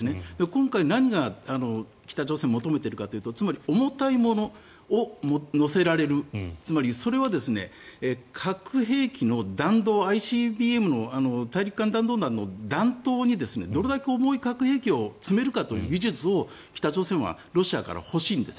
今回、何を北朝鮮は求めているかというとつまり重たいものを載せられるつまりそれは核兵器の弾道ＩＣＢＭ、大陸間弾道弾の弾頭に、どれだけ重い核兵器を詰めるかという技術を北朝鮮はロシアから欲しいんです。